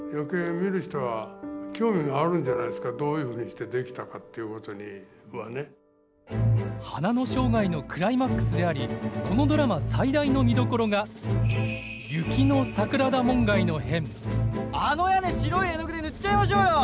私でいいのかなじゃないですけど「花の生涯」のクライマックスでありこのドラマ最大の見どころがあの屋根白い絵の具で塗っちゃいましょうよ。